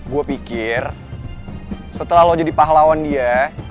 gue pikir setelah lo jadi pahlawan dia